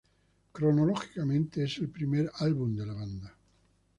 Cronológicamente, es el primer álbum de la banda.